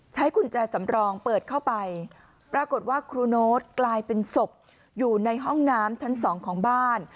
กุญแจสำรองเปิดเข้าไปปรากฏว่าครูโน๊ตกลายเป็นศพอยู่ในห้องน้ำชั้นสองของบ้าน